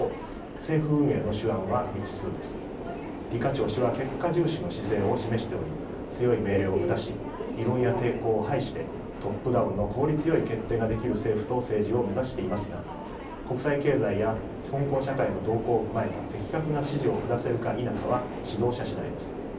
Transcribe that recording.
超氏は結果重視の姿勢を示しており強い命令を下し異論や抵抗を排してトップダウンの効率よい決定ができる政府と政治を目指していますが国際経済や香港社会の動向を踏まえた的確な指示を下せるか否かは指導者次第です。